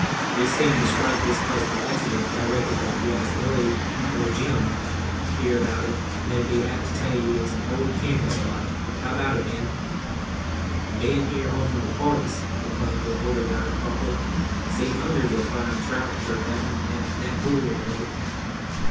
"We seemed to strike this place by accident; but I reckon that if you asked Eli or Jim here about it, they'd be apt to tell you it's an old camping spot. How about it, men?" "Be'n here often with parties," replied the older guide, promptly. "Seen hundreds o' fine trout jerked outen thet pool over there."